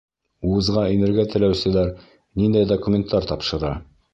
Вузға инергә теләүселәр ниндәй документтар тапшыра?